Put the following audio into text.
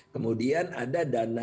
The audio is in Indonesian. kemudian ada dana